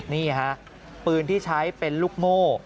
นี่ฮะปืนที่ใช้เป็นลูกโม่